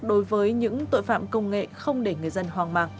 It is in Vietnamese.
đối với những tội phạm công nghệ không để người dân hoàng mạng